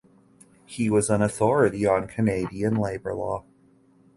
He was an authority on Canadian labour law.